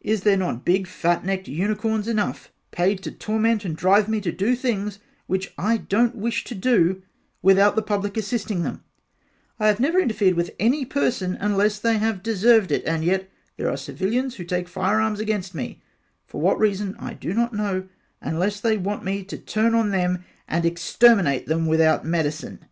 Is there not big fat necked Unicorns enough paid to torment and drive me to do thing which I dont wish to do, without the public assisting them I have never interefered with any person unless they deserved it, and yet there are civilians who take firearms against me, for what reason I do not know, unless they want me to turn on them and exterminate them without medicine.